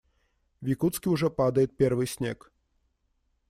В Якутске уже падает первый снег.